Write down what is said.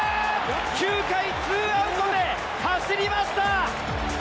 ９回２アウトで走りました。